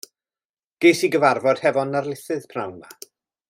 Ges i gyfarfod hefo'n narlithydd p'nawn 'ma.